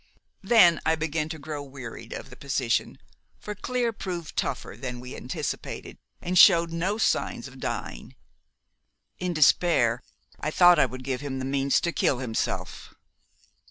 Then I began to grow wearied of the position, for Clear proved tougher than we anticipated, and showed no signs of dying. In despair, I thought I would give him the means to kill himself.